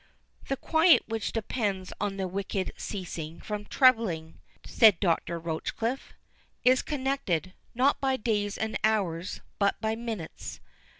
"The quiet which depends on the wicked ceasing from troubling," said Dr. Rochecliffe, "is connected, not by days and hours, but by minutes.